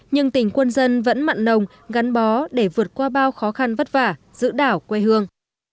nhưng tỉnh quân dân vẫn mặn nồng gắn bó để vượt qua bao khó khăn vất vả giữ đảo quê hương